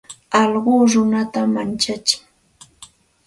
Alluqu runata manchatsin.